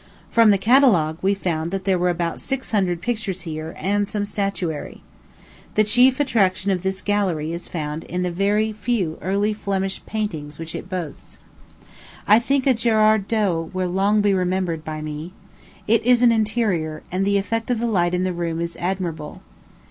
From the catalogue, we found there were about six hundred pictures here, and some statuary. The chief attraction of this gallery is found in the few early Flemish paintings which it boasts. I think a Gerard Dow will long be remembered by me. It is an interior, and the effect of the light in the room is admirable.